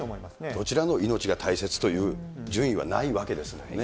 どちらの命が大切という順位はないわけですもんね。